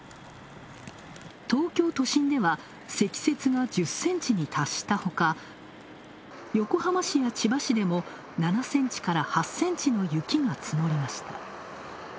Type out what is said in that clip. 東京都心では積雪が１０ｃｍに達したほか、横浜市や千葉市でも７ｃｍから８ｃｍの雪が積もりました。